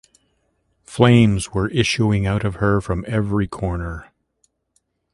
Flames were issuing out of her from every corner.